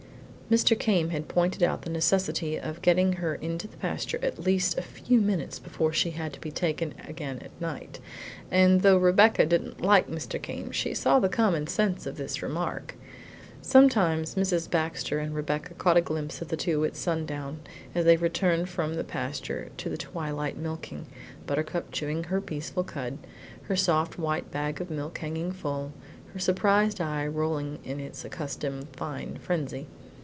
Mr. Came had pointed out the necessity of getting her into the pasture at least a few minutes before she had to be taken out again at night, and though Rebecca didn't like Mr. Came, she saw the common sense of this remark. Sometimes Mrs. Baxter and Rebecca caught a glimpse of the two at sundown, as they returned from the pasture to the twilight milking, Buttercup chewing her peaceful cud, her soft white bag of milk hanging full, her surprised eye rolling in its accustomed "fine frenzy."